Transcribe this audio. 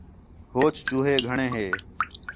ہوچ چُوہے گھݨیں ہِے